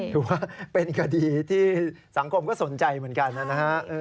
ถือว่าเป็นคดีที่สังคมก็สนใจเหมือนกันนะฮะ